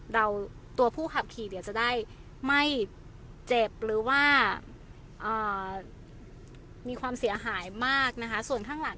ตัวผู้ขับขี่เดี๋ยวจะได้ไม่เจ็บหรือว่ามีความเสียหายมากนะคะส่วนข้างหลัง